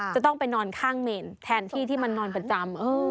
จะต้องไปนอนข้างเมนแทนที่ที่มันนอนประจำ